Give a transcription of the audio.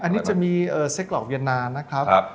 อันนี้จะมีไส้กรอกเวียนนานนะครับ